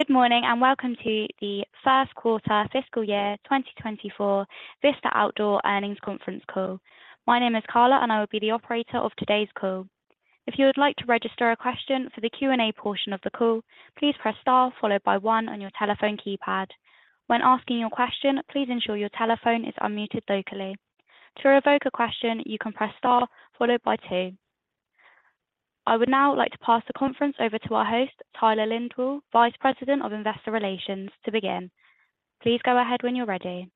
Good morning. Welcome to the first quarter fiscal year 2024 Vista Outdoor Earnings Conference Call. My name is Carla. I will be the operator of today's call. If you would like to register a question for the Q&A portion of the call, please press star followed by one on your telephone keypad. When asking your question, please ensure your telephone is unmuted locally. To revoke a question, you can press star followed by two. I would now like to pass the conference over to our host, Tyler Lindwall, Vice President of Investor Relations, to begin. Please go ahead when you're ready.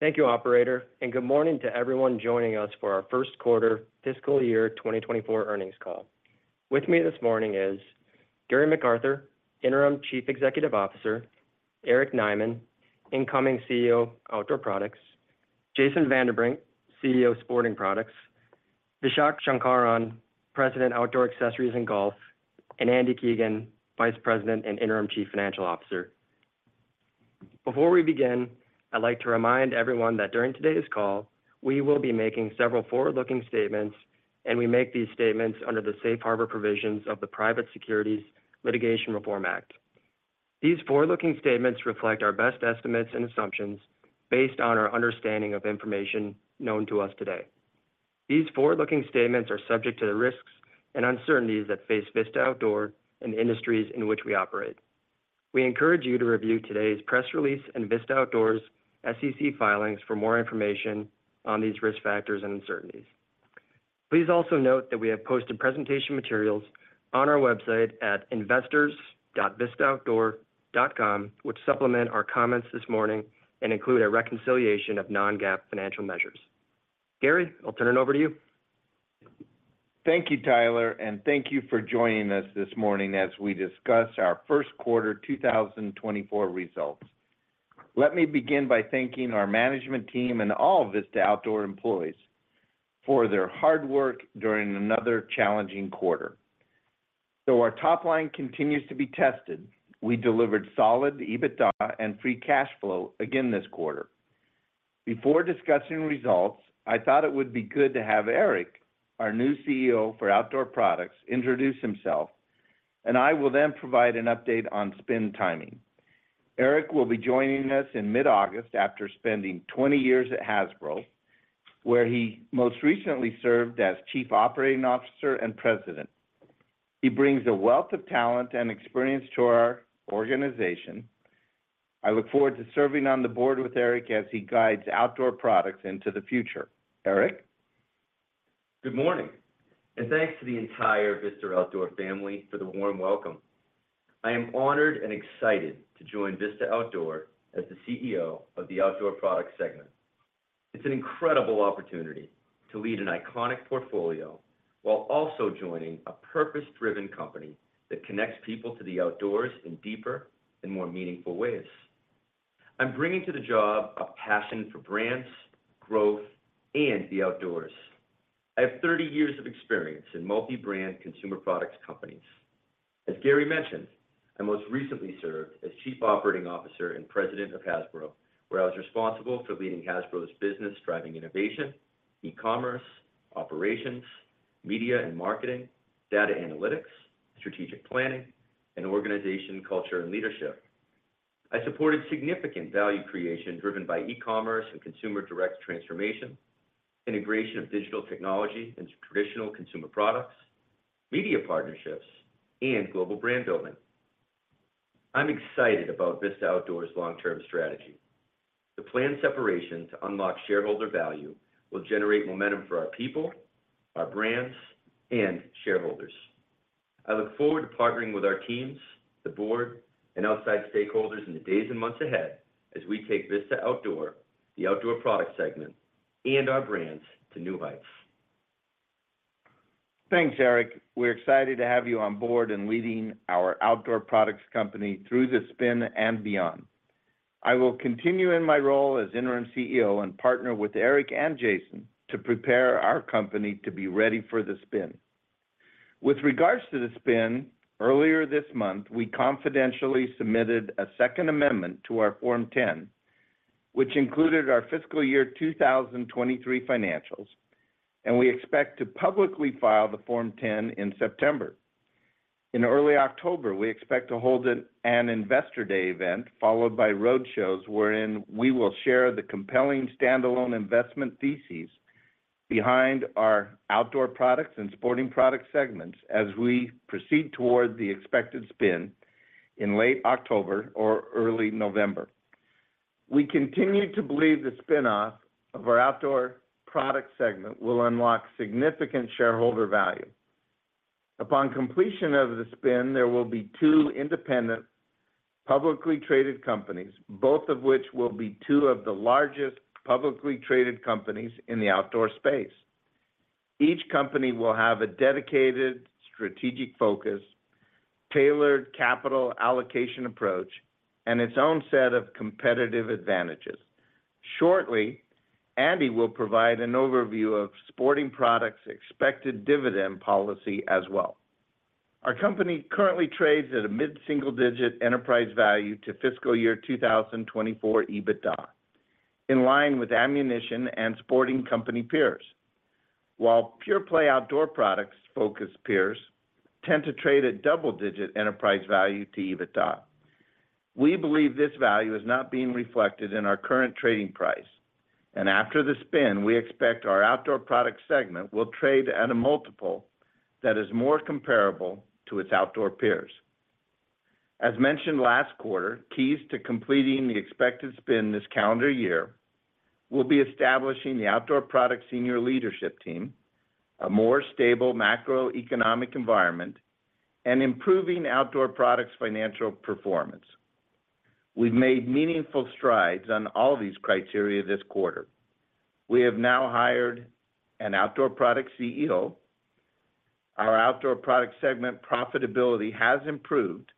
Thank you, operator, and good morning to everyone joining us for our First Quarter Fiscal Year 2024 Earnings Call. With me this morning is Gary McArthur, Interim Chief Executive Officer, Eric Nyman, Incoming CEO, Outdoor Products, Jason Vanderbrink, CEO, Sporting Products, Vishak Sankaran, President, Outdoor Accessories and Golf, and Andy Keegan, Vice President and Interim Chief Financial Officer. Before we begin, I'd like to remind everyone that during today's call, we will be making several forward-looking statements. We make these statements under the Safe Harbor provisions of the Private Securities Litigation Reform Act. These forward-looking statements reflect our best estimates and assumptions based on our understanding of information known to us today. These forward-looking statements are subject to the risks and uncertainties that face Vista Outdoor and the industries in which we operate. We encourage you to review today's press release and Vista Outdoor's SEC filings for more information on these risk factors and uncertainties. Please also note that we have posted presentation materials on our website at investors.vistaoutdoor.com, which supplement our comments this morning and include a reconciliation of non-GAAP financial measures. Gary, I'll turn it over to you. Thank you, Tyler. Thank you for joining us this morning as we discuss our First Quarter 2024 results. Let me begin by thanking our management team and all Vista Outdoor employees for their hard work during another challenging quarter. Though our top line continues to be tested, we delivered solid EBITDA and free cash flow again this quarter. Before discussing results, I thought it would be good to have Eric, our new CEO for Outdoor Products, introduce himself, and I will then provide an update on spin timing. Eric will be joining us in mid-August after spending 20 years at Hasbro, where he most recently served as Chief Operating Officer and President. He brings a wealth of talent and experience to our organization. I look forward to serving on the board with Eric as he guides Outdoor Products into the future. Eric? Good morning, thanks to the entire Vista Outdoor family for the warm welcome. I am honored and excited to join Vista Outdoor as the CEO of the Outdoor Products segment. It's an incredible opportunity to lead an iconic portfolio while also joining a purpose-driven company that connects people to the outdoors in deeper and more meaningful ways. I'm bringing to the job a passion for brands, growth, and the outdoors. I have 30 years of experience in multi-brand consumer products companies. As Gary mentioned, I most recently served as Chief Operating Officer and President of Hasbro, where I was responsible for leading Hasbro's business, driving innovation, e-commerce, operations, media and marketing, data analytics, strategic planning, and organization, culture, and leadership. I supported significant value creation driven by e-commerce and consumer direct transformation, integration of digital technology into traditional consumer products, media partnerships, and global brand building. I'm excited about Vista Outdoor's long-term strategy. The planned separation to unlock shareholder value will generate momentum for our people, our brands, and shareholders. I look forward to partnering with our teams, the board, and outside stakeholders in the days and months ahead as we take Vista Outdoor, the Outdoor Products segment, and our brands to new heights. Thanks, Eric. We're excited to have you on board and leading our Outdoor Products company through the spin and beyond. I will continue in my role as interim CEO and partner with Eric and Jason to prepare our company to be ready for the spin. With regards to the spin, earlier this month, we confidentially submitted a second amendment to our Form 10, which included our Fiscal Year 2023 financials, and we expect to publicly file the Form 10 in September. In early October, we expect to hold an Investor Day event, followed by Roadshows, wherein we will share the compelling standalone investment theses behind our Outdoor Products and Sporting Products segments as we proceed towards the expected spin in late October or early November. We continue to believe the spin-off of our Outdoor Products segment will unlock significant shareholder value. Upon completion of the spin, there will be two independent, publicly traded companies, both of which will be two of the largest publicly traded companies in the outdoor space. Each company will have a dedicated strategic focus, tailored capital allocation approach, and its own set of competitive advantages. Shortly, Andy will provide an overview of Sporting Products' expected dividend policy as well. Our company currently trades at a mid-single-digit enterprise value to Fiscal Year 2024 EBITDA, in line with Ammunition and Sporting company peers. Pure-play Outdoor Products-focused peers tend to trade at double-digit enterprise value to EBITDA. We believe this value is not being reflected in our current trading price, and after the spin, we expect our Outdoor Products segment will trade at a multiple that is more comparable to its outdoor peers. As mentioned last quarter, keys to completing the expected spin this calendar year will be establishing the Outdoor Products senior leadership team, a more stable macroeconomic environment, and improving Outdoor Products financial performance. We've made meaningful strides on all these criteria this quarter. We have now hired an Outdoor Products CEO. Our Outdoor Products segment profitability has improved,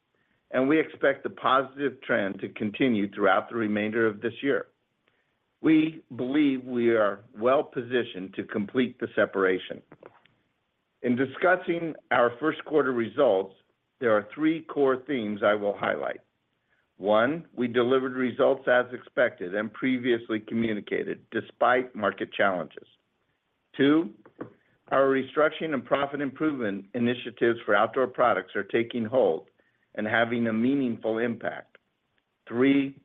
and we expect the positive trend to continue throughout the remainder of this year. We believe we are well positioned to complete the separation. In discussing our first quarter results, there are three core themes I will highlight. One, we delivered results as expected and previously communicated, despite market challenges. Two, our restructuring and profit improvement initiatives for Outdoor Products are taking hold and having a meaningful impact. Three,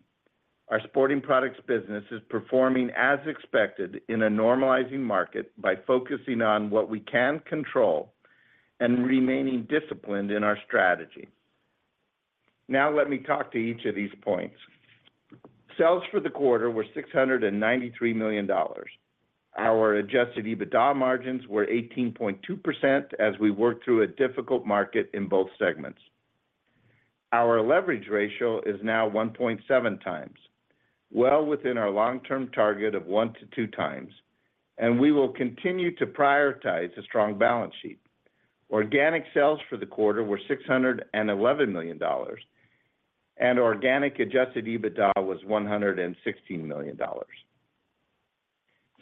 our Sporting Products business is performing as expected in a normalizing market by focusing on what we can control and remaining disciplined in our strategy. Let me talk to each of these points. Sales for the quarter were $693 million. Our Adjusted EBITDA margins were 18.2% as we worked through a difficult market in both segments. Our leverage ratio is now 1.7x, well within our long-term target of 1x to 2x, we will continue to prioritize a strong balance sheet. Organic sales for the quarter were $611 million, and organic Adjusted EBITDA was $116 million.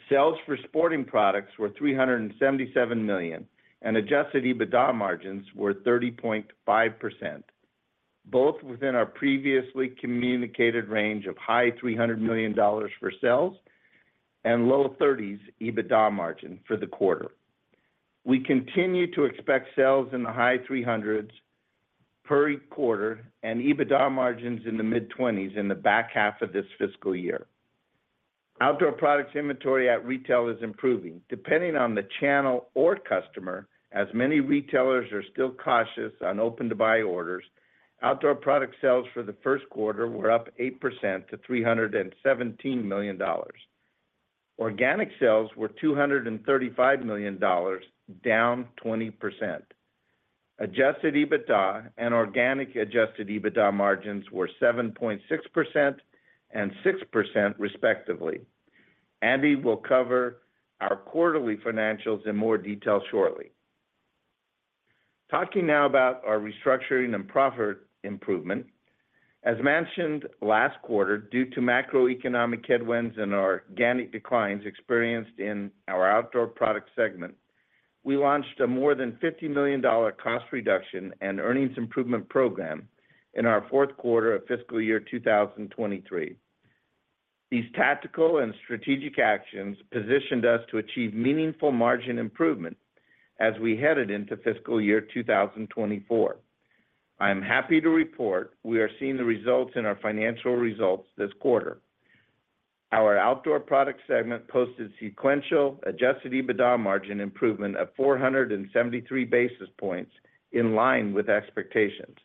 Sales for Sporting Products were $377 million, Adjusted EBITDA margins were 30.5%, both within our previously communicated range of high $300 million for sales and low 30s EBITDA margin for the quarter. We continue to expect sales in the high 300s per quarter and EBITDA margins in the mid-20s in the back half of this fiscal year. Outdoor Products inventory at retail is improving, depending on the channel or customer, as many retailers are still cautious on open-to-buy orders. Outdoor Products sales for the first quarter were up 8% to $317 million. Organic sales were $235 million, down 20%. Adjusted EBITDA and organic Adjusted EBITDA margins were 7.6% and 6%, respectively. Andy will cover our quarterly financials in more detail shortly. Talking now about our restructuring and profit improvement. As mentioned last quarter, due to macroeconomic headwinds and organic declines experienced in our Outdoor Products segment, we launched a more than $50 million cost reduction and earnings improvement program in our fourth quarter of Fiscal Year 2023. These tactical and strategic actions positioned us to achieve meaningful margin improvement as we headed into Fiscal Year 2024. I am happy to report we are seeing the results in our financial results this quarter. Our Outdoor Products segment posted sequential adjusted EBITDA margin improvement of 473 basis points in line with expectations.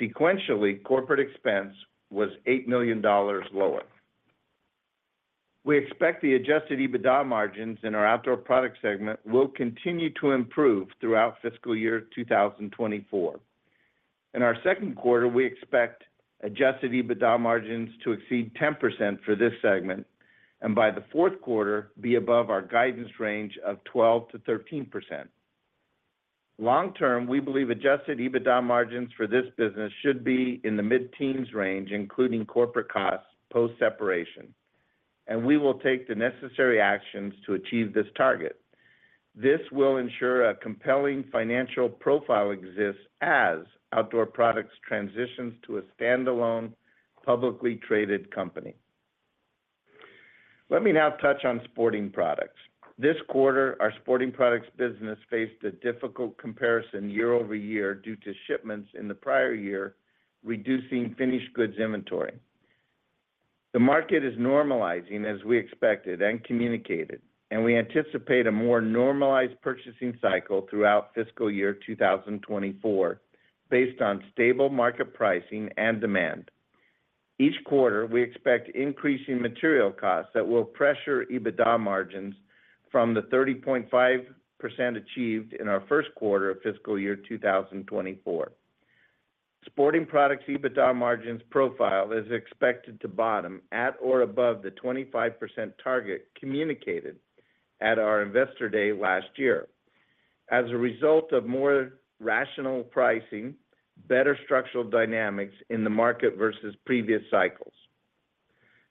Sequentially, corporate expense was $8 million lower. We expect the Adjusted EBITDA margins in our Outdoor Products segment will continue to improve throughout Fiscal Year 2024. In our second quarter, we expect adjusted EBITDA margins to exceed 10% for this segment, and by the fourth quarter, be above our guidance range of 12%-13%. Long term, we believe Adjusted EBITDA margins for this business should be in the mid-teens range, including corporate costs, post-separation, and we will take the necessary actions to achieve this target. This will ensure a compelling financial profile exists as Outdoor Products transitions to a standalone, publicly traded company. Let me now touch on Sporting Products. This quarter, our Sporting Products business faced a difficult comparison year-over-year due to shipments in the prior year, reducing finished goods inventory. The market is normalizing as we expected and communicated, and we anticipate a more normalized purchasing cycle throughout fiscal year 2024, based on stable market pricing and demand. Each quarter, we expect increasing material costs that will pressure EBITDA margins from the 30.5% achieved in our 1st quarter of Fiscal Year 2024. Sporting Products EBITDA margins profile is expected to bottom at or above the 25% target communicated at our Investor Day last year. As a result of more rational pricing, better structural dynamics in the market versus previous cycles.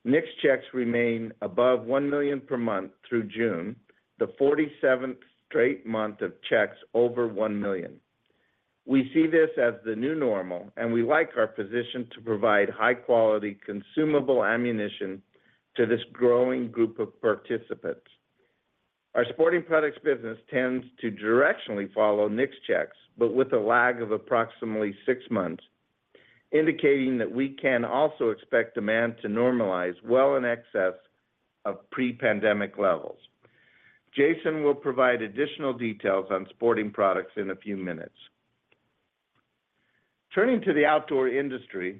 NICS checks remain above 1 million per month through June, the 47th straight month of checks over 1 million. We see this as the new normal, and we like our position to provide high quality, consumable ammunition to this growing group of participants. Our Sporting Products business tends to directionally follow NICS checks, but with a lag of approximately six months, indicating that we can also expect demand to normalize well in excess of pre-pandemic levels. Jason will provide additional details on Sporting Products in a few minutes. The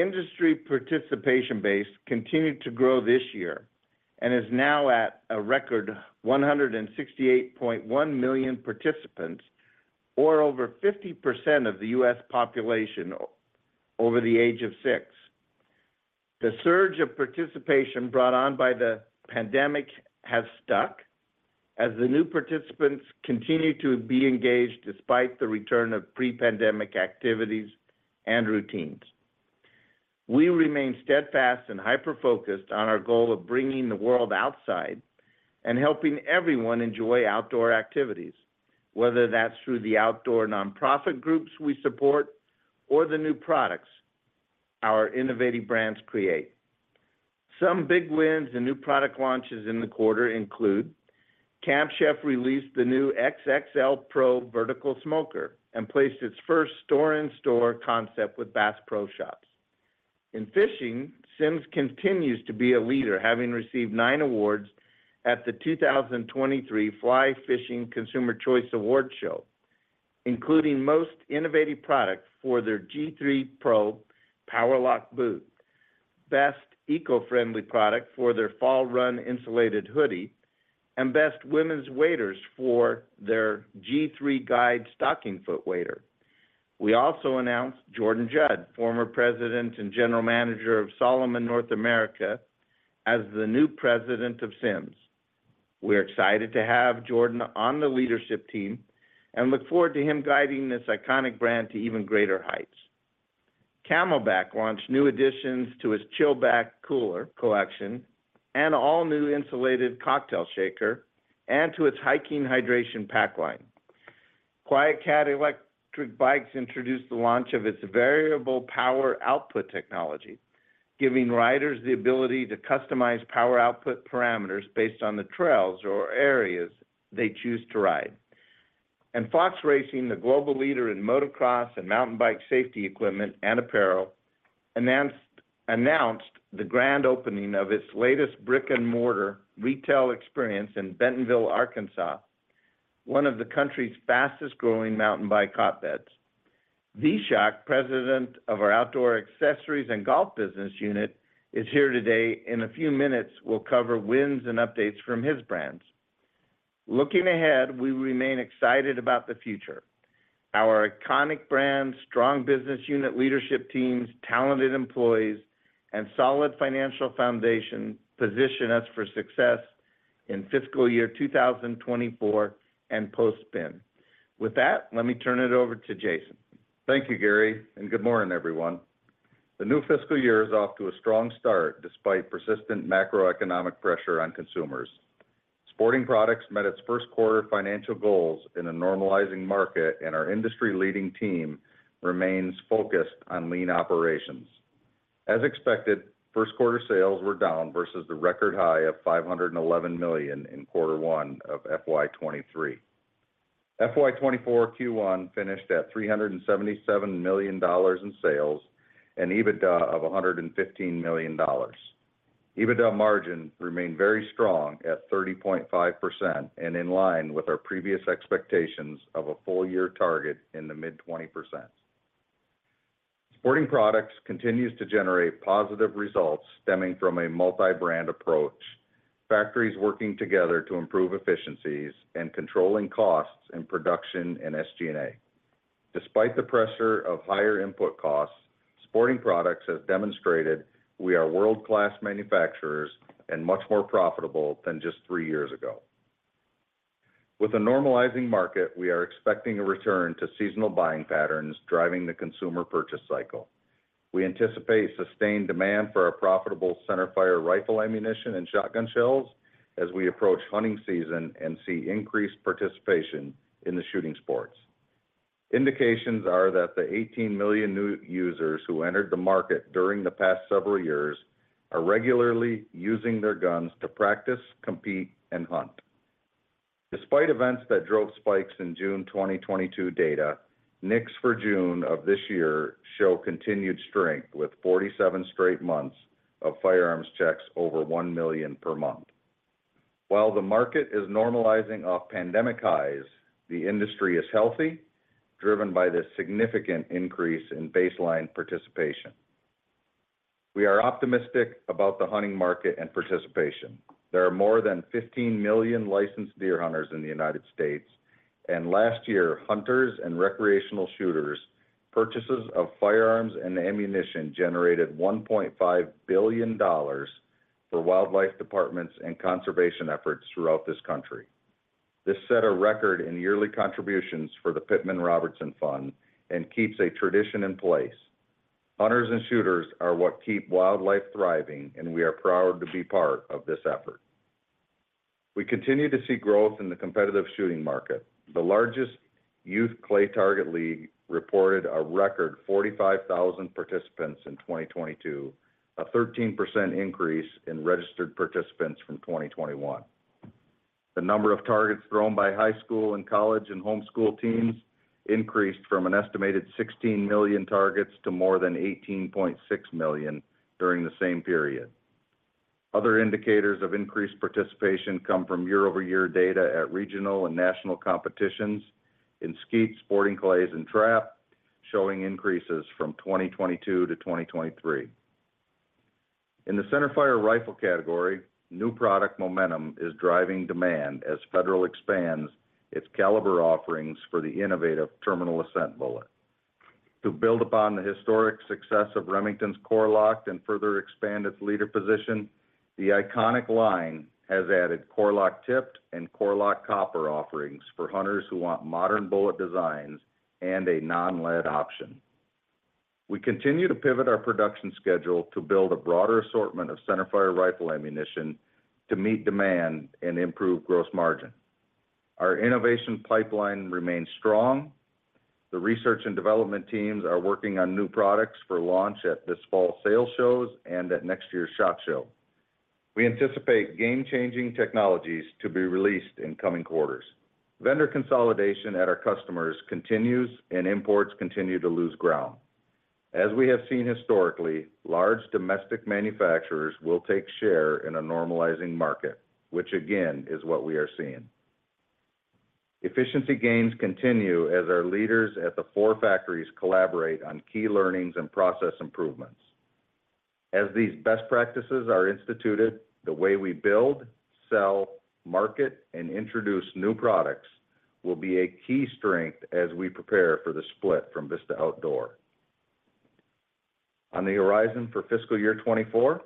industry participation base continued to grow this year and is now at a record 168.1 million participants, or over 50% of the U.S. population over the age of six. The surge of participation brought on by the pandemic has stuck, as the new participants continue to be engaged despite the return of pre-pandemic activities and routines. We remain steadfast and hyper-focused on our goal of bringing the world outside and helping everyone enjoy outdoor activities, whether that's through the outdoor nonprofit groups we support or the new products our innovative brands create. Some big wins and new product launches in the quarter include: Camp Chef released the new XXL Pro Vertical Smoker and placed its first store-in-store concept with Bass Pro Shops. In fishing, Simms continues to be a leader, having received nine awards at the 2023 Fly Fishing Consumer Choice Awards Show, including Most Innovative Product for their G3 PRO Powerlock Boot, Best Eco-Friendly Product for their Fall Run Insulated Hoody, and Best Women's Waders for their G3 Guide Stockingfoot Wader. We also announced Jordan Judd, former President and General Manager of Salomon North America, as the new president of Simms. We're excited to have Jordan on the leadership team and look forward to him guiding this iconic brand to even greater heights. CamelBak launched new additions to its ChillBak Cooler collection and all-new insulated cocktail shaker and to its hiking hydration pack line. QuietKat Electric Bikes introduced the launch of its variable power output technology, giving riders the ability to customize power output parameters based on the trails or areas they choose to ride. Fox Racing, the global leader in motocross and mountain bike safety equipment and apparel, announced the grand opening of its latest brick-and-mortar retail experience in Bentonville, Arkansas, one of the country's fastest growing mountain bike hotbeds. Vishak, President of our Outdoor Accessories and Golf Business Unit, is here today. In a few minutes, we'll cover wins and updates from his brands. Looking ahead, we remain excited about the future. Our iconic brands, strong business unit leadership teams, talented employees, and solid financial foundation position us for success in fiscal year 2024 and post spin. With that, let me turn it over to Jason. Thank you, Gary, and good morning, everyone. The new fiscal year is off to a strong start, despite persistent macroeconomic pressure on consumers. Sporting Products met its first quarter financial goals in a normalizing market, and our industry-leading team remains focused on lean operations. As expected, first quarter sales were down versus the record high of $511 million in Q1 of FY 2023. FY 2024 Q1 finished at $377 million in sales and EBITDA of $115 million. EBITDA margin remained very strong at 30.5% and in line with our previous expectations of a full year target in the mid-20%. Sporting Products continues to generate positive results stemming from a multi-brand approach, factories working together to improve efficiencies and controlling costs in production and SG&A. Despite the pressure of higher input costs, Sporting Products has demonstrated we are world-class manufacturers and much more profitable than just three years ago. With a normalizing market, we are expecting a return to seasonal buying patterns, driving the consumer purchase cycle. We anticipate sustained demand for our profitable centerfire rifle ammunition and shotgun shells as we approach hunting season and see increased participation in the shooting sports. Indications are that the 18 million new users who entered the market during the past several years are regularly using their guns to practice, compete, and hunt. Despite events that drove spikes in June 2022 data, NICS for June of this year show continued strength, with 47 straight months of firearms checks over 1 million per month. While the market is normalizing off pandemic highs, the industry is healthy, driven by the significant increase in baseline participation. We are optimistic about the hunting market and participation. There are more than 15 million licensed deer hunters in the United States, and last year, hunters' and recreational shooters' purchases of firearms and ammunition generated $1.5 billion for wildlife departments and conservation efforts throughout this country. This set a record in yearly contributions for the Pittman-Robertson fund and keeps a tradition in place. Hunters and shooters are what keep wildlife thriving, and we are proud to be part of this effort. We continue to see growth in the competitive shooting market. The largest Youth Clay Target League reported a record 45,000 participants in 2022, a 13% increase in registered participants from 2021. The number of targets thrown by high school and college and homeschool teams increased from an estimated 16 million targets to more than 18.6 million during the same period. Other indicators of increased participation come from year-over-year data at regional and national competitions in skeet, sporting clays, and trap, showing increases from 2022 to 2023. In the Center Fire Rifle category, new product momentum is driving demand as Federal expands its caliber offerings for the innovative Terminal Ascent bullet. To build upon the historic success of Remington's Core-Lokt and further expand its leader position, the iconic line has added Core-Lokt Tipped and Core-Lokt Copper offerings for hunters who want modern bullet designs and a non-lead option. We continue to pivot our production schedule to build a broader assortment of center fire rifle ammunition to meet demand and improve gross margin. Our innovation pipeline remains strong. The research and development teams are working on new products for launch at this fall's sales shows and at next year's SHOT Show. We anticipate game-changing technologies to be released in coming quarters. Vendor consolidation at our customers continues. Imports continue to lose ground. As we have seen historically, large domestic manufacturers will take share in a normalizing market, which again, is what we are seeing. Efficiency gains continue as our leaders at the four factories collaborate on key learnings and process improvements. As these best practices are instituted, the way we build, sell, market, and introduce new products will be a key strength as we prepare for the split from Vista Outdoor. On the horizon for Fiscal Year 2024,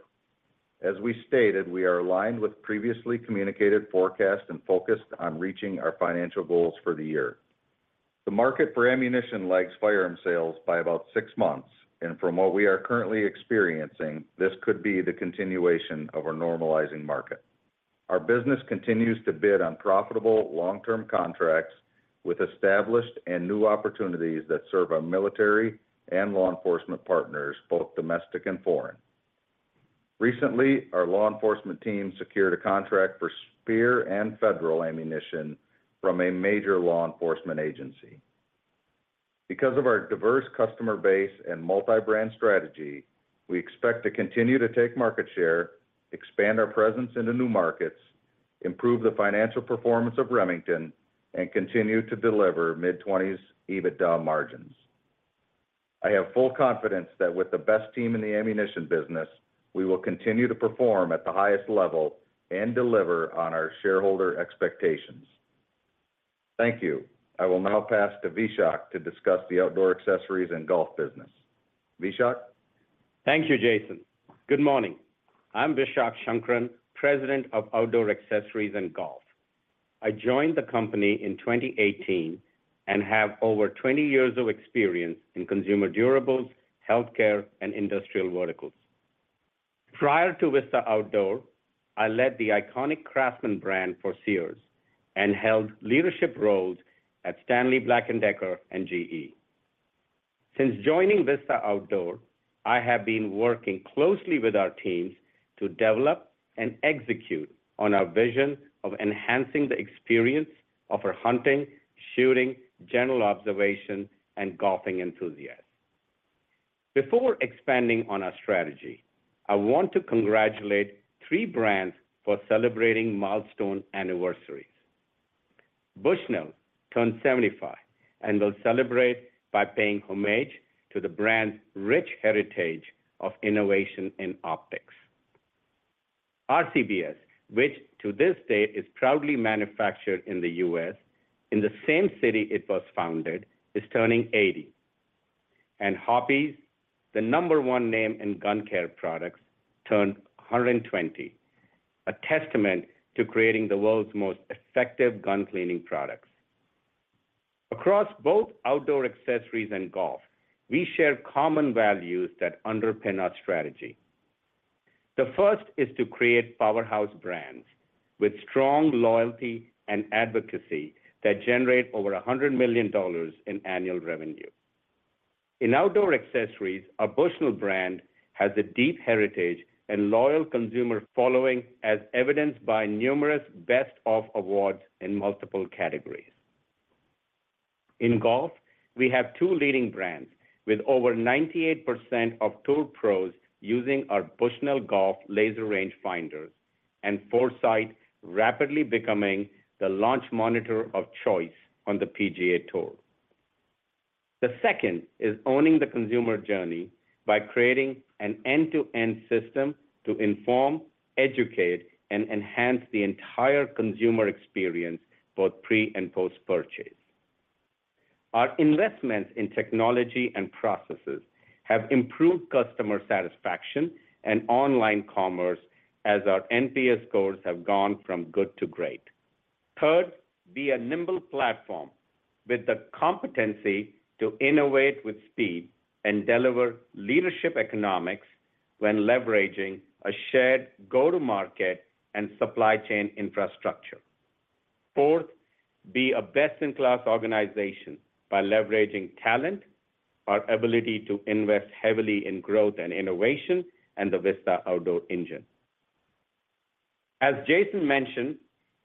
as we stated, we are aligned with previously communicated forecast and focused on reaching our financial goals for the year. The market for ammunition lags firearm sales by about six months. From what we are currently experiencing, this could be the continuation of our normalizing market. Our business continues to bid on profitable long-term contracts with established and new opportunities that serve our military and law enforcement partners, both domestic and foreign. Recently, our law enforcement team secured a contract for Speer and Federal ammunition from a major law enforcement agency. Because of our diverse customer base and multi-brand strategy, we expect to continue to take market share, expand our presence into new markets, improve the financial performance of Remington, and continue to deliver mid-20s EBITDA margins. I have full confidence that with the best team in the ammunition business, we will continue to perform at the highest level and deliver on our shareholder expectations. Thank you. I will now pass to Vishak to discuss the Outdoor Accessories and Golf business. Vishak? Thank you, Jason. Good morning. I'm Vishak Sankaran, President of Outdoor Accessories and Golf. I joined the company in 2018 and have over 20 years of experience in consumer durables, healthcare, and industrial verticals. Prior to Vista Outdoor, I led the iconic Craftsman brand for Sears and held leadership roles at Stanley Black & Decker and GE. Since joining Vista Outdoor, I have been working closely with our teams to develop and execute on our vision of enhancing the experience of our hunting, shooting, general observation, and golfing enthusiasts. Before expanding on our strategy, I want to congratulate three brands for celebrating milestone anniversaries. Bushnell turned 75 and will celebrate by paying homage to the brand's rich heritage of innovation in optics. RCBS, which to this day is proudly manufactured in the U.S., in the same city it was founded, is turning 80. Hoppe's, the number 1 name in gun care products, turned 120, a testament to creating the world's most effective gun cleaning products. Across both Outdoor Accessories and Golf, we share common values that underpin our strategy. The first is to create powerhouse brands with strong loyalty and advocacy that generate over $100 million in annual revenue. In Outdoor Accessories, our Bushnell brand has a deep heritage and loyal consumer following, as evidenced by numerous best of awards in multiple categories. In golf, we have two leading brands, with over 98% of tour pros using our Bushnell Golf laser rangefinders, and Foresight rapidly becoming the launch monitor of choice on the PGA Tour. The second is owning the consumer journey by creating an end-to-end system to inform, educate, and enhance the entire consumer experience, both pre- and post-purchase. Our investments in technology and processes have improved customer satisfaction and online commerce as our NPS scores have gone from good to great. Third, be a nimble platform with the competency to innovate with speed and deliver leadership economics when leveraging a shared go-to-market and supply chain infrastructure. Fourth, be a best-in-class organization by leveraging talent, our ability to invest heavily in growth and innovation, and the Vista Outdoor engine. As Jason mentioned,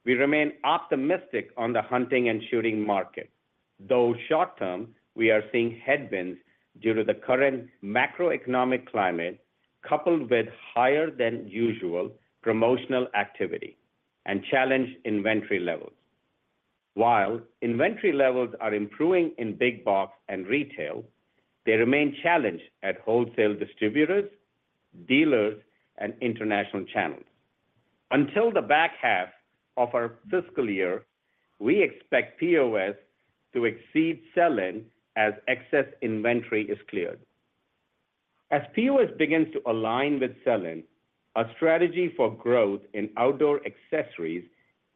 we remain optimistic on the hunting and shooting market, though short term, we are seeing headwinds due to the current macroeconomic climate, coupled with higher than usual promotional activity and challenged inventory levels. While inventory levels are improving in big box and retail, they remain challenged at wholesale distributors, dealers, and international channels. Until the back half of our fiscal year, we expect POS to exceed sell-in as excess inventory is cleared. POS begins to align with sell-in, our strategy for growth in outdoor accessories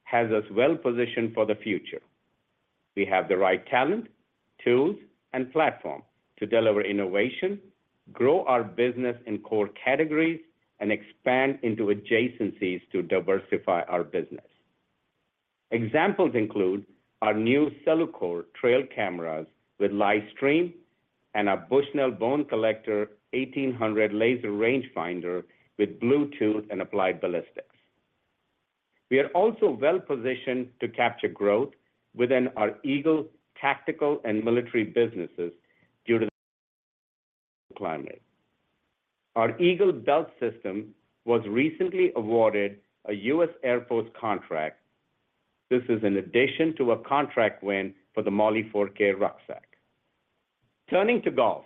has us well positioned for the future. We have the right talent, tools, and platform to deliver innovation, grow our business in core categories, and expand into adjacencies to diversify our business. Examples include our new CelluCORE trail cameras with live stream and our Bushnell Bone Collector 1800 laser rangefinder with Bluetooth and applied ballistics. We are also well positioned to capture growth within our Eagle tactical and military businesses due to the climate. Our Eagle Belt System was recently awarded a US Air Force contract. This is in addition to a contract win for the MOLLE 4K rucksack. Turning to golf,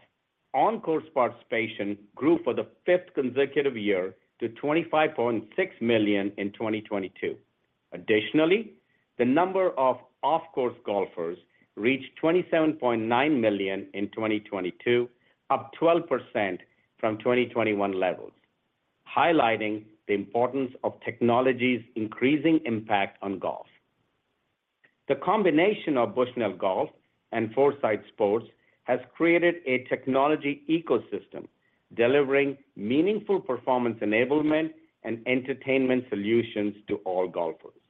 on-course participation grew for the fifth consecutive year to $25.6 million in 2022. Additionally, the number of off-course golfers reached 27.9 million in 2022, up 12% from 2021 levels, highlighting the importance of technology's increasing impact on golf. The combination of Bushnell Golf and Foresight Sports has created a technology ecosystem, delivering meaningful performance enablement and entertainment solutions to all golfers.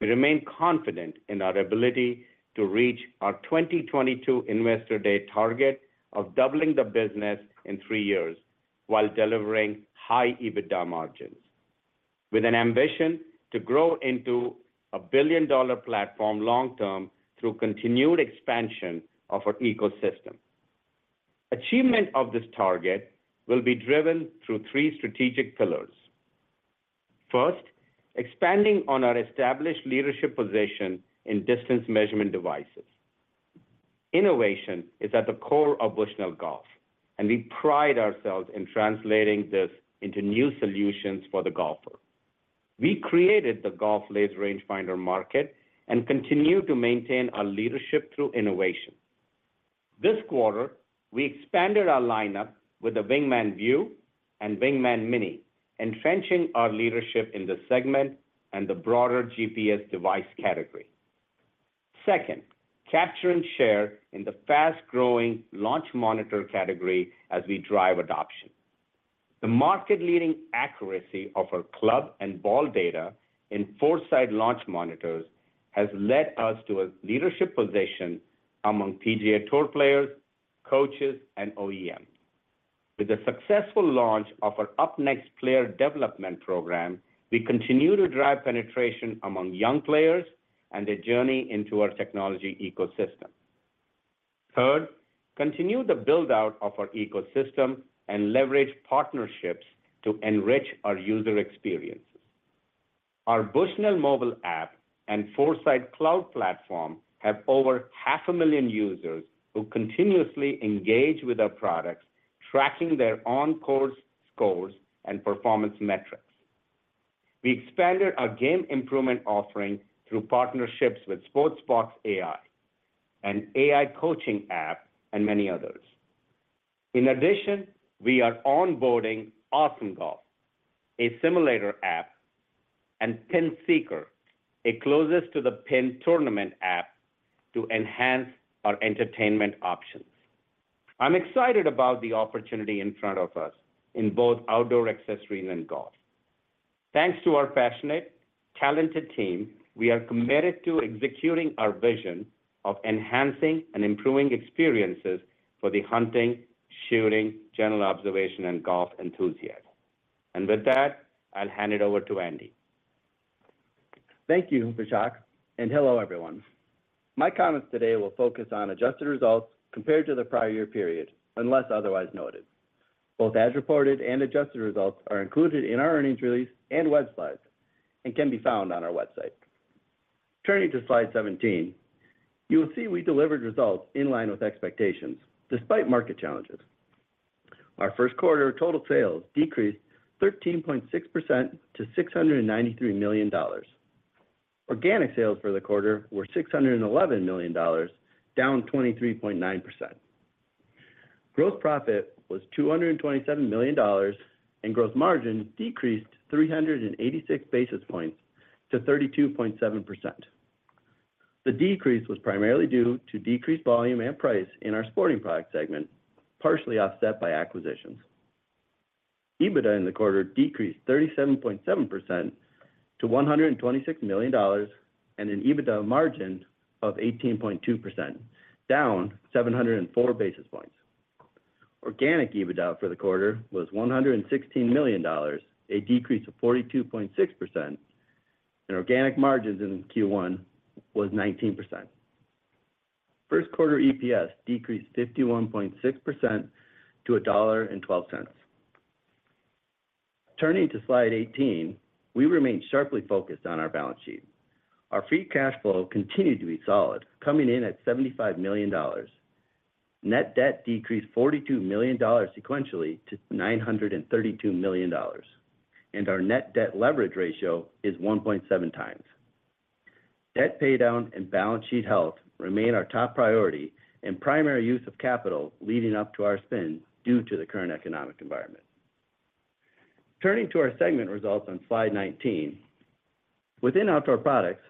We remain confident in our ability to reach our 2022 Investor Day target of doubling the business in three years while delivering high EBITDA margins, with an ambition to grow into a billion-dollar platform long term through continued expansion of our ecosystem. Achievement of this target will be driven through three strategic pillars. First, expanding on our established leadership position in distance measurement devices. Innovation is at the core of Bushnell Golf, and we pride ourselves in translating this into new solutions for the golfer. We created the golf laser rangefinder market and continue to maintain our leadership through innovation. This quarter, we expanded our lineup with the Wingman View and Wingman Mini, entrenching our leadership in this segment and the broader GPS device category. Second, capture and share in the fast-growing launch monitor category as we drive adoption. The market-leading accuracy of our club and ball data in Foresight launch monitors has led us to a leadership position among PGA Tour players, coaches, and OEMs. With the successful launch of our UpNext player development program, we continue to drive penetration among young players and their journey into our technology ecosystem. Third, continue the build-out of our ecosystem and leverage partnerships to enrich our user experiences. Our Bushnell mobile app and Foresight cloud platform have over half a million users who continuously engage with our products, tracking their on-course scores and performance metrics. We expanded our game improvement offering through partnerships with Sportsbox AI, an AI coaching app, and many others. In addition, we are onboarding Awesome Golf, a simulator app, and PinSeeker, a closest to the Pin Tournament app, to enhance our entertainment options. I'm excited about the opportunity in front of us in both Outdoor Accessories and Golf. Thanks to our passionate, talented team, we are committed to executing our vision of enhancing and improving experiences for the hunting, shooting, general observation, and golf enthusiasts. With that, I'll hand it over to Andy. Thank you, Vishak, and hello, everyone. My comments today will focus on adjusted results compared to the prior year period, unless otherwise noted. Both as reported and adjusted results are included in our earnings release and web slides, and can be found on our website. Turning to slide 17, you will see we delivered results in line with expectations despite market challenges. Our first quarter total sales decreased 13.6% to $693 million. Organic sales for the quarter were $611 million, down 23.9%. Gross profit was $227 million, and gross margin decreased 386 basis points to 32.7%. The decrease was primarily due to decreased volume and price in our Sporting Products segment, partially offset by acquisitions. EBITDA in the quarter decreased 37.7% to $126 million, and an EBITDA margin of 18.2%, down 704 basis points. Organic EBITDA for the quarter was $116 million, a decrease of 42.6%, and organic margins in Q1 was 19%. First quarter EPS decreased 51.6% to $1.12. Turning to slide 18, we remain sharply focused on our balance sheet. Our free cash flow continued to be solid, coming in at $75 million. Net debt decreased $42 million sequentially to $932 million, and our net-debt-leverage ratio is 1.7x. Debt paydown and balance sheet health remain our top priority and primary use of capital leading up to our spend due to the current economic environment. Turning to our segment results on slide 19. Within Outdoor Products,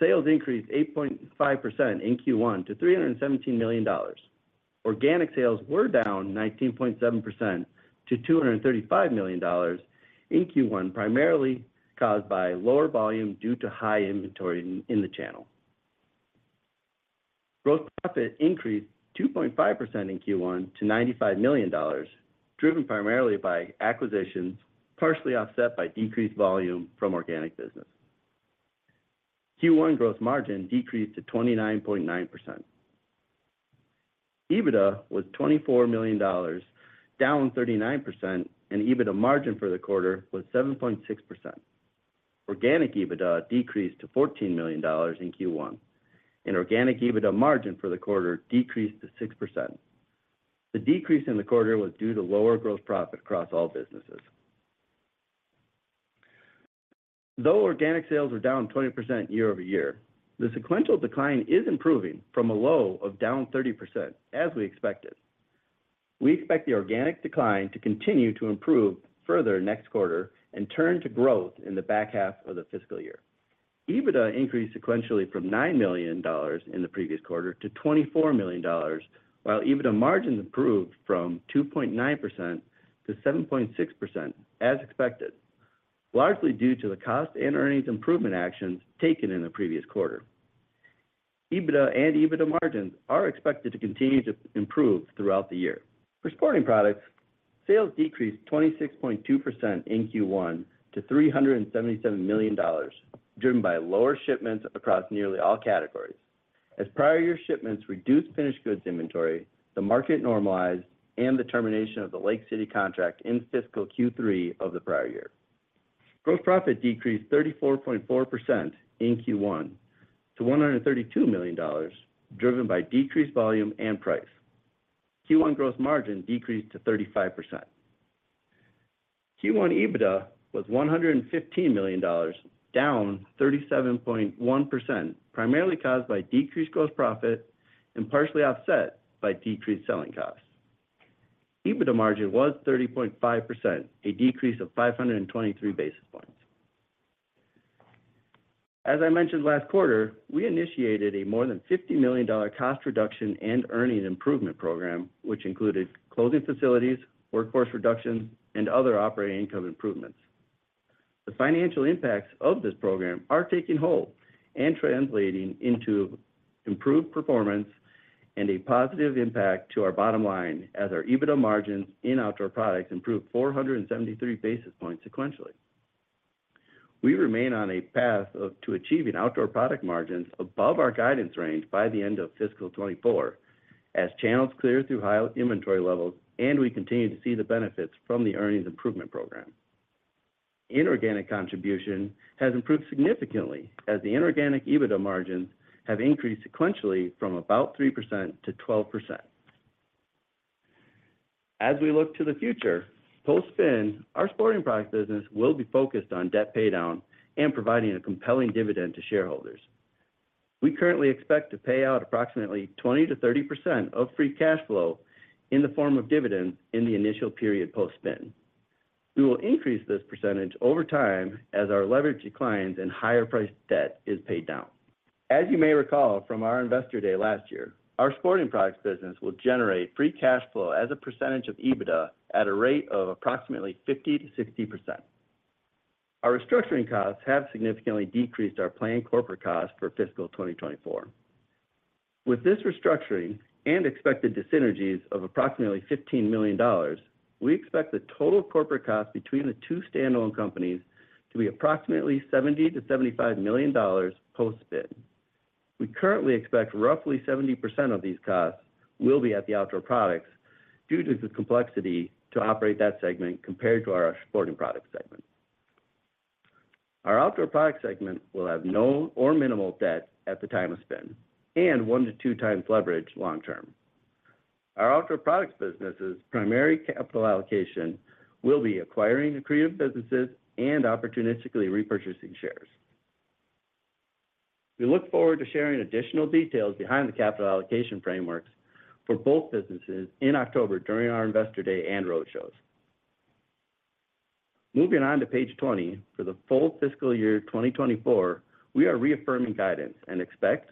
sales increased 8.5% in Q1 to $317 million. Organic sales were down 19.7% to $235 million in Q1, primarily caused by lower volume due to high inventory in the channel. Gross profit increased 2.5% in Q1 to $95 million, driven primarily by acquisitions, partially offset by decreased volume from organic business. Q1 gross margin decreased to 29.9%. EBITDA was $24 million, down 39%, and EBITDA margin for the quarter was 7.6%. Organic EBITDA decreased to $14 million in Q1, and organic EBITDA margin for the quarter decreased to 6%. The decrease in the quarter was due to lower gross profit across all businesses. Though organic sales were down 20% year-over-year, the sequential decline is improving from a low of down 30%, as we expected. We expect the organic decline to continue to improve further next quarter and turn to growth in the back half of the fiscal year. EBITDA increased sequentially from $9 million in the previous quarter to $24 million, while EBITDA margins improved from 2.9% to 7.6%, as expected, largely due to the cost and earnings improvement actions taken in the previous quarter. EBITDA and EBITDA margins are expected to continue to improve throughout the year. For Sporting Products, sales decreased 26.2% in Q1 to $377 million, driven by lower shipments across nearly all categories. As prior year shipments reduced finished goods inventory, the market normalized, and the termination of the Lake City contract in fiscal Q3 of the prior year. Gross profit decreased 34.4% in Q1 to $132 million, driven by decreased volume and price. Q1 gross margin decreased to 35%. Q1 EBITDA was $115 million, down 37.1%, primarily caused by decreased gross profit and partially offset by decreased selling costs. EBITDA margin was 30.5%, a decrease of 523 basis points. As I mentioned last quarter, we initiated a more than $50 million cost reduction and earnings improvement program, which included closing facilities, workforce reduction, and other operating income improvements. The financial impacts of this program are taking hold and translating into improved performance and a positive impact to our bottom line as our EBITDA margins in Outdoor Products improved 473 basis points sequentially. We remain on a path to achieving Outdoor Products margins above our guidance range by the end of fiscal 2024, as channels clear through high inventory levels, and we continue to see the benefits from the earnings improvement program. Inorganic contribution has improved significantly, as the inorganic EBITDA margins have increased sequentially from about 3% to 12%. As we look to the future, post-spin, our Sporting Products business will be focused on debt paydown and providing a compelling dividend to shareholders. We currently expect to pay out approximately 20%-30% of free cash flow in the form of dividends in the initial period post-spin. We will increase this percentage over time as our leverage declines and higher priced debt is paid down. As you may recall from our Investor Day last year, our Sporting Products business will generate free cash flow as a percentage of EBITDA at a rate of approximately 50%-60%. Our restructuring costs have significantly decreased our planned corporate costs for fiscal 2024. With this restructuring and expected dyssynergies of approximately $15 million, we expect the total corporate costs between the two standalone companies to be approximately $70 million-$75 million post-spin. We currently expect roughly 70% of these costs will be at the Outdoor Products due to the complexity to operate that segment compared to our Sporting Products segment. Our Outdoor Products segment will have no or minimal debt at the time of spend, and 1x to 2x leverage long term. Our Outdoor Products business's primary capital allocation will be acquiring accretive businesses and opportunistically repurchasing shares. We look forward to sharing additional details behind the capital allocation frameworks for both businesses in October during our Investor Day and roadshows. Moving on to page 20, for the full Fiscal Year 2024, we are reaffirming guidance and expect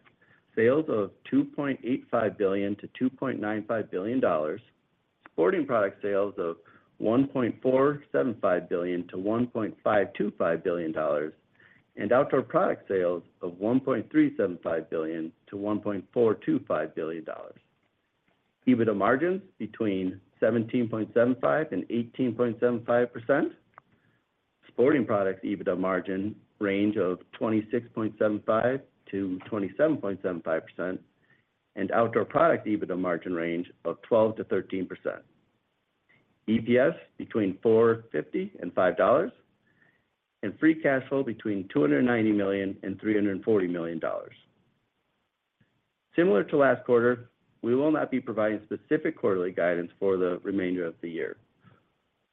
sales of $2.85 billion-$2.95 billion, Sporting Products sales of $1.475 billion-$1.525 billion, and Outdoor Products sales of $1.375 billion-$1.425 billion. EBITDA margins between 17.75% and 18.75%. Sporting Products EBITDA margin range of 26.75%-27.75%, and Outdoor Products EBITDA margin range of 12%-13%. EPS between $4.50 and $5.00, and free cash flow between $290 million and $340 million. Similar to last quarter, we will not be providing specific quarterly guidance for the remainder of the year.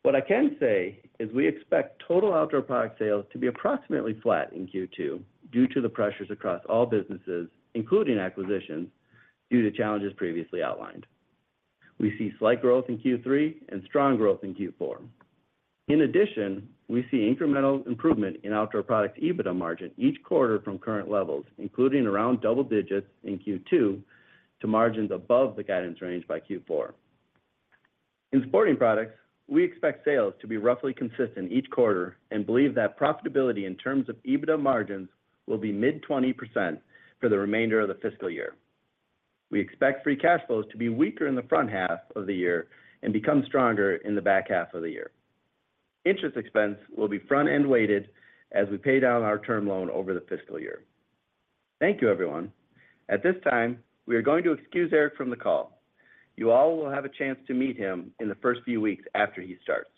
What I can say is we expect total Outdoor Products sales to be approximately flat in Q2 due to the pressures across all businesses, including acquisitions, due to challenges previously outlined. We see slight growth in Q3 and strong growth in Q4. In addition, we see incremental improvement in Outdoor Products EBITDA margin each quarter from current levels, including around double digits in Q2, to margins above the guidance range by Q4. In Sporting Products, we expect sales to be roughly consistent each quarter and believe that profitability in terms of EBITDA margins will be mid-20% for the remainder of the fiscal year. We expect free cash flows to be weaker in the front half of the year and become stronger in the back half of the year. Interest expense will be front-end weighted as we pay down our term loan over the fiscal year. Thank you, everyone. At this time, we are going to excuse Eric from the call. You all will have a chance to meet him in the first few weeks after he starts.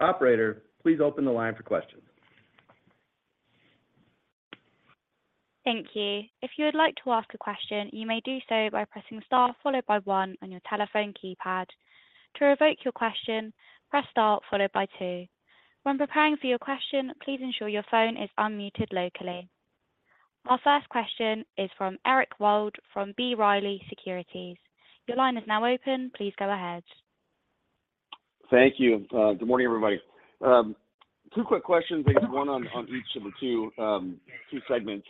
Operator, please open the line for questions. Thank you. If you would like to ask a question, you may do so by pressing star followed by 1 on your telephone keypad. To revoke your question, press star followed by two. When preparing for your question, please ensure your phone is unmuted locally. Our first question is from Eric Wold from B. Riley Securities. Your line is now open. Please go ahead. Thank you. Good morning, everybody. Two quick questions, I guess one on each of the two segments.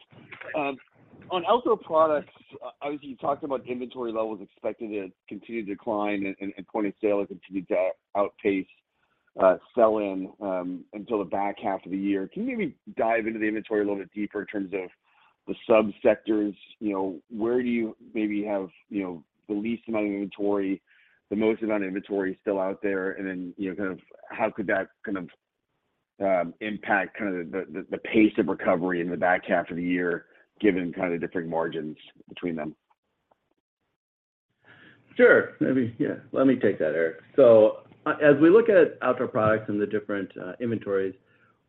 On Outdoor Products, obviously, you talked about inventory levels expected to continue to decline and point of sale is continued to outpace sell-in until the back half of the year. Can you maybe dive into the inventory a little bit deeper in terms of the subsectors? You know, where do you maybe have, you know, the least amount of inventory, the most amount of inventory still out there? Then, you know, kind of how could that kind of impact kind of the pace of recovery in the back half of the year, given kind of different margins between them? Sure. Let me take that, Eric. As we look at Outdoor Products and the different inventories,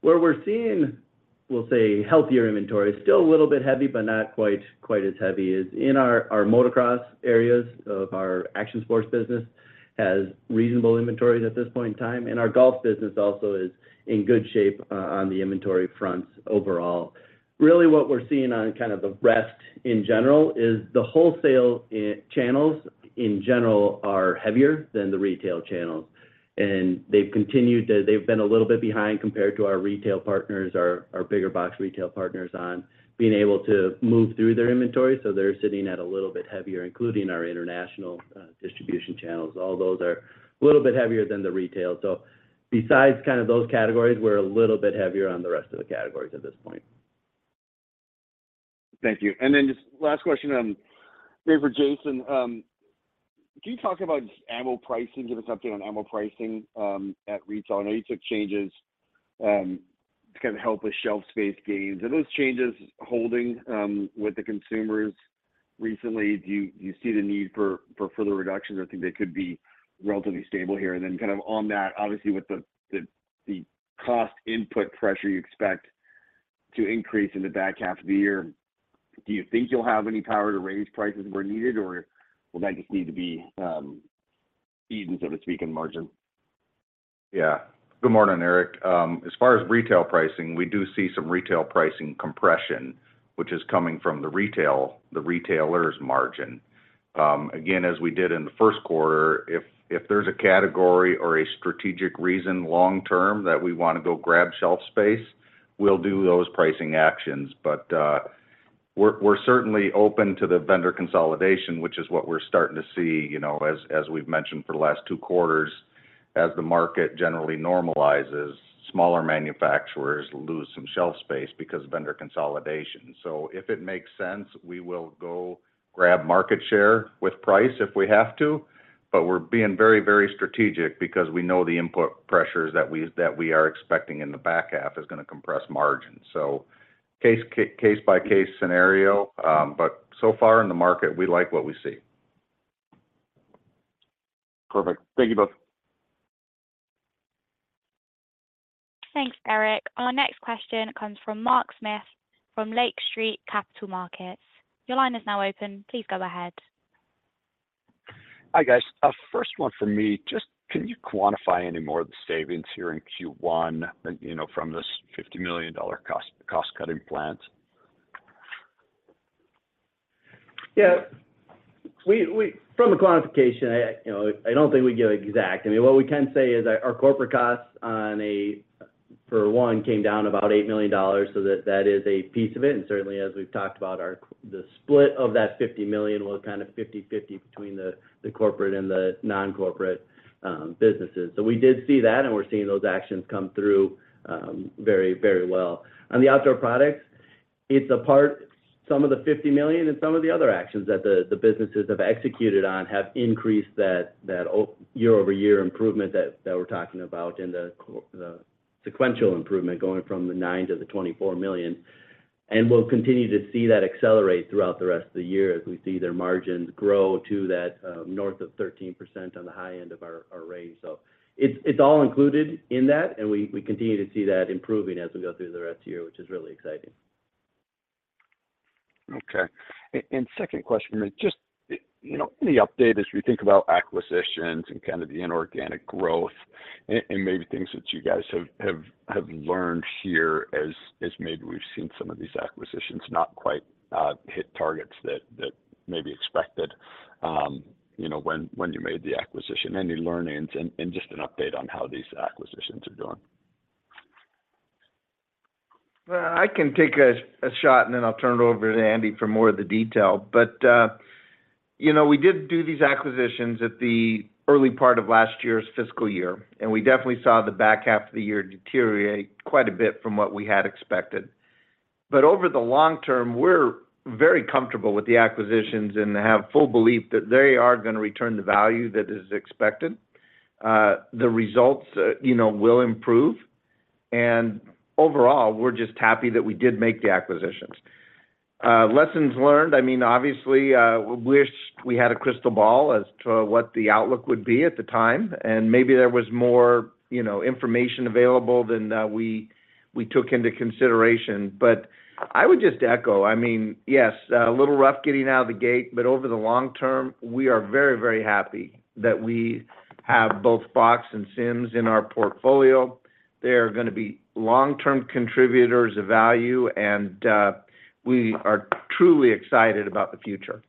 where we're seeing, we'll say, healthier inventory, still a little bit heavy, but not quite as heavy, is in our motocross areas of our action sports business has reasonable inventories at this point in time, and our golf business also is in good shape on the inventory fronts overall. What we're seeing on kind of the rest in general is the wholesale channels, in general, are heavier than the retail channels. They've been a little bit behind compared to our retail partners, our bigger box retail partners, on being able to move through their inventory, so they're sitting at a little bit heavier, including our international distribution channels. All those are a little bit heavier than the retail. Besides kind of those categories, we're a little bit heavier on the rest of the categories at this point. Thank you. Just last question, maybe for Jason. Can you talk about ammo pricing, give us update on ammo pricing at retail? I know you took changes to kind of help with shelf space gains. Are those changes holding with the consumers recently? Do you see the need for further reductions, or think they could be relatively stable here? Kind of on that, obviously, with the cost input pressure you expect to increase in the back half of the year, do you think you'll have any power to raise prices where needed, or will that just need to be eaten, so to speak, in margin? Yeah. Good morning, Eric. As far as retail pricing, we do see some retail pricing compression, which is coming from the retail, the retailer's margin. Again, as we did in the first quarter, if there's a category or a strategic reason long term that we want to go grab shelf space, we'll do those pricing actions. we're certainly open to the vendor consolidation, which is what we're starting to see, you know, as we've mentioned for the last two quarters, as the market generally normalizes, smaller manufacturers lose some shelf space because of vendor consolidation. if it makes sense, we will go grab market share with price if we have to, but we're being very strategic because we know the input pressures that we are expecting in the back half is gonna compress margin. Case-by-case scenario, but so far in the market, we like what we see. Perfect. Thank you both. Thanks, Eric. Our next question comes from Mark Smith from Lake Street Capital Markets. Your line is now open. Please go ahead. Hi, guys. First one for me, just can you quantify any more of the savings here in Q1 than, you know, from this $50 million cost-cutting plan? Yeah. From a quantification, I, you know, I don't think we'd give exact. I mean, what we can say is our corporate costs on a, for one, came down about $8 million, so that is a piece of it, and certainly, as we've talked about, the split of that $50 million was kind of 50/50 between the corporate and the non-corporate businesses. We did see that, and we're seeing those actions come through very, very well. On the Outdoor Products, it's a part, some of the $50 million and some of the other actions that the businesses have executed on have increased that year-over-year improvement that we're talking about and the sequential improvement going from the $9 million to the $24 million. We'll continue to see that accelerate throughout the rest of the year as we see their margins grow to that, north of 13% on the high end of our, our range. It's, it's all included in that, and we, we continue to see that improving as we go through the rest of the year, which is really exciting. Okay. Second question, just, you know, any update as we think about acquisitions and kind of the inorganic growth and maybe things that you guys have learned here as maybe we've seen some of these acquisitions not quite hit targets that may be expected, you know, when you made the acquisition? Any learnings and just an update on how these acquisitions are doing. Well, I can take a shot, and then I'll turn it over to Andy for more of the detail. You know, we did do these acquisitions at the early part of last year's fiscal year, and we definitely saw the back half of the year deteriorate quite a bit from what we had expected. Over the long term, we're very comfortable with the acquisitions and have full belief that they are going to return the value that is expected. The results, you know, will improve, and overall, we're just happy that we did make the acquisitions. Lessons learned, I mean, obviously, we wished we had a crystal ball as to what the outlook would be at the time, and maybe there was more, you know, information available than we took into consideration. I would just echo, I mean, yes, a little rough getting out of the gate, but over the long term, we are very, very happy that we have both Fox and Simms in our portfolio. They are gonna be long-term contributors of value, and we are truly excited about the future.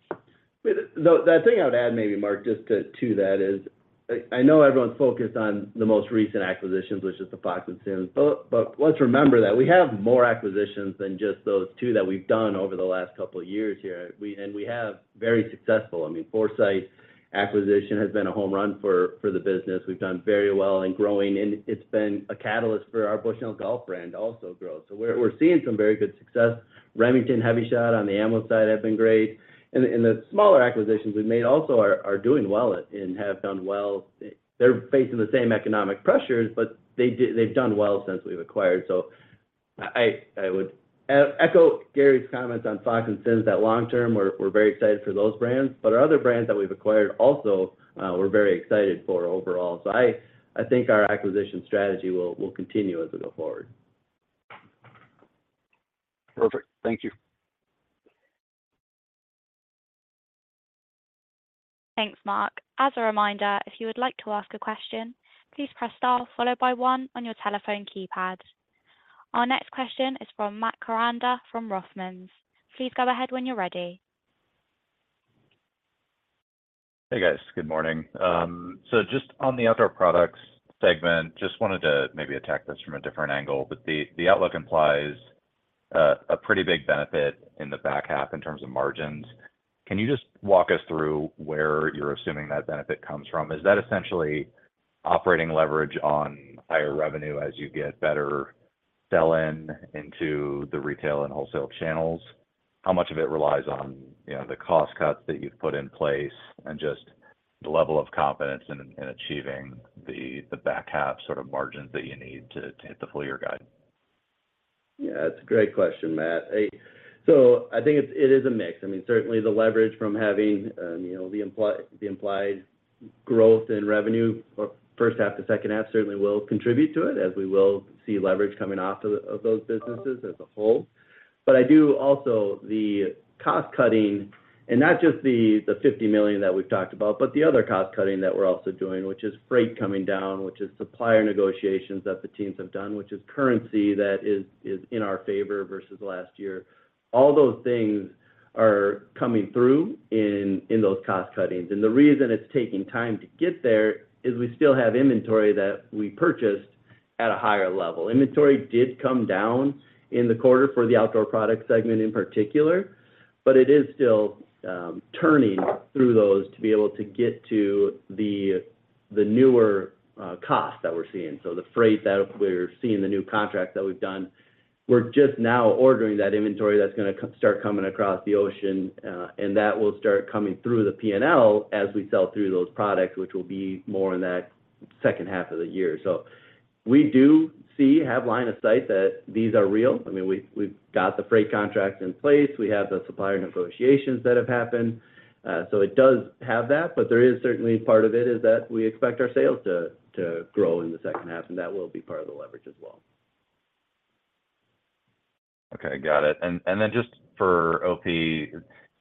The thing I would add, maybe, Mark, just to that is I, I know everyone's focused on the most recent acquisitions, which is the Fox and Simms, but let's remember that we have more acquisitions than just those two that we've done over the last couple of years here. We have very successful. I mean, Foresight Sports acquisition has been a home run for the business. We've done very well in growing, and it's been a catalyst for our Bushnell Golf brand also grow. We're seeing some very good success. Remington HEVI-Shot on the ammo side have been great. The smaller acquisitions we've made also are doing well and have done well. They're facing the same economic pressures, but they've done well since we've acquired. I would echo Gary's comments on Fox and Simms, that long term, we're very excited for those brands, but our other brands that we've acquired also, we're very excited for overall. I think our acquisition strategy will continue as we go forward. Perfect. Thank you. Thanks, Mark. As a reminder, if you would like to ask a question, please press star followed by one on your telephone keypad. Our next question is from Matt Koranda from ROTH Capital Partners. Please go ahead when you're ready. Hey, guys. Good morning. Just on the Outdoor Products segment, just wanted to maybe attack this from a different angle, but the outlook implies a pretty big benefit in the back half in terms of margins. Can you just walk us through where you're assuming that benefit comes from? Is that essentially operating leverage on higher revenue as you get better sell-in into the retail and wholesale channels? How much of it relies on, you know, the cost cuts that you've put in place and just the level of confidence in achieving the back half sort of margins that you need to hit the full year guide? Yeah, that's a great question, Matt. I think it's, it is a mix. I mean, certainly the leverage from having, you know, the implied, the implied growth in revenue for first half to second half certainly will contribute to it, as we will see leverage coming off of those businesses as a whole. I do also, the cost cutting, and not just the $50 million that we've talked about, but the other cost cutting that we're also doing, which is freight coming down, which is supplier negotiations that the teams have done, which is currency that is in our favor versus last year. All those things are coming through in those cost cuttings, and the reason it's taking time to get there is we still have inventory that we purchased at a higher level. Inventory did come down in the quarter for the Outdoor Products segment in particular. It is still turning through those to be able to get to the newer costs that we're seeing. The freight that we're seeing, the new contract that we've done, we're just now ordering that inventory that's gonna start coming across the ocean, and that will start coming through the PNL as we sell through those products, which will be more in that second half of the year. We do have line of sight that these are real. I mean, we've got the freight contracts in place, we have the supplier negotiations that have happened, so it does have that. There is certainly part of it is that we expect our sales to grow in the second half, and that will be part of the leverage as well. Okay, got it. Then just for OP,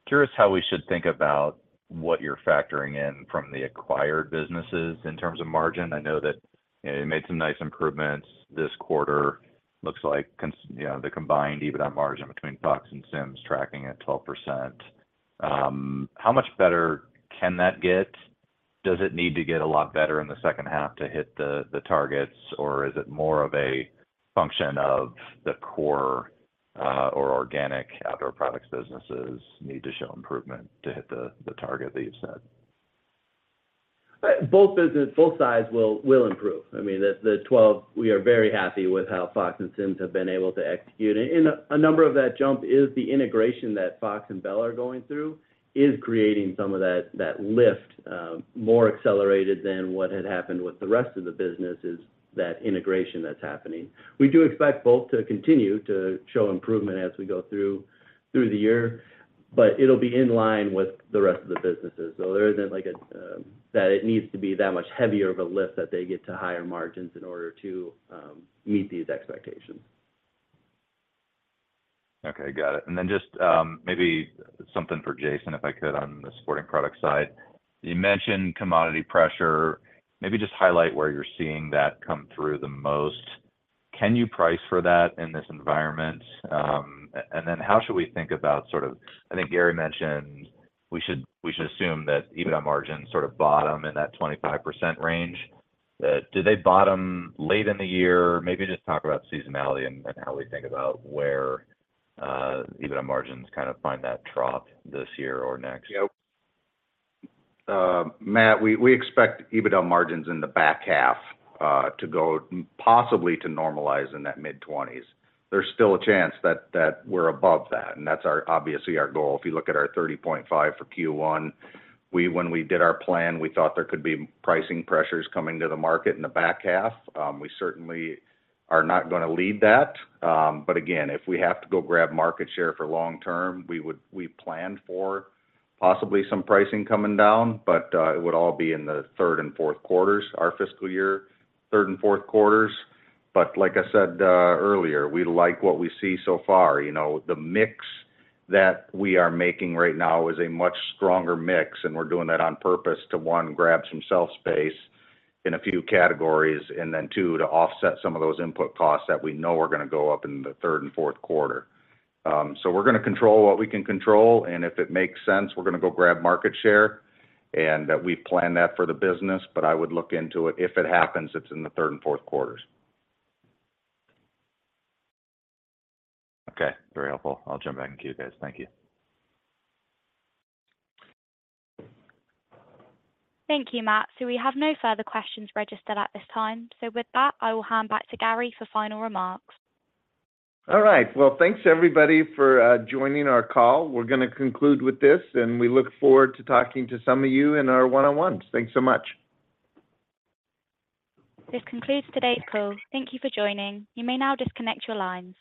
curious how we should think about what you're factoring in from the acquired businesses in terms of margin. I know that you made some nice improvements this quarter. Looks like the combined EBITDA margin between Fox and Simms tracking at 12%. How much better can that get? Does it need to get a lot better in the second half to hit the targets, or is it more of a function of the core, or organic Outdoor Products businesses need to show improvement to hit the target that you've set? Both sides will improve. I mean, the 12%, we are very happy with how Fox and Simms have been able to execute. A number of that jump is the integration that Fox and Bell are going through, is creating some of that lift, more accelerated than what had happened with the rest of the business, is that integration that's happening. We do expect both to continue to show improvement as we go through the year, but it'll be in line with the rest of the businesses. There isn't like a, that it needs to be that much heavier of a lift that they get to higher margins in order to meet these expectations. Okay, got it. Just, maybe something for Jason, if I could, on the Sporting Products side. You mentioned commodity pressure. Maybe just highlight where you're seeing that come through the most. Can you price for that in this environment? How should we think about I think Gary mentioned we should assume that EBITDA margins sort of bottom in that 25% range. Do they bottom late in the year? Maybe just talk about seasonality and how we think about where EBITDA margins kind of find that trough this year or next. Yep. Matt, we expect EBITDA margins in the back half to go possibly to normalize in that mid-20s. There's still a chance that we're above that, and that's our, obviously our goal. If you look at our 30.5% for Q1, when we did our plan, we thought there could be pricing pressures coming to the market in the back half. We certainly are not gonna lead that, again, if we have to go grab market share for long term, we planned for possibly some pricing coming down. It would all be in the third and fourth quarters, our fiscal year, third and fourth quarters. Like I said earlier, we like what we see so far. You know, the mix that we are making right now is a much stronger mix, and we're doing that on purpose to, one, grab some shelf space in a few categories, and then, two, to offset some of those input costs that we know are gonna go up in the third and fourth quarter. We're gonna control what we can control, and if it makes sense, we're gonna go grab market share, and we plan that for the business, but I would look into it. If it happens, it's in the third and fourth quarters. Okay. Very helpful. I'll jump back and to you guys. Thank you. Thank you, Matt. We have no further questions registered at this time. With that, I will hand back to Gary for final remarks. All right. Well, thanks, everybody, for joining our call. We're gonna conclude with this, and we look forward to talking to some of you in our one-on-ones. Thanks so much. This concludes today's call. Thank you for joining. You may now disconnect your lines.